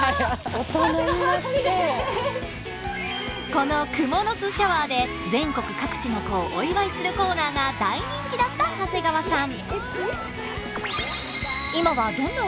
この「クモの巣シャワー」で全国各地の子をお祝いするコーナーが大人気だった長谷川さん。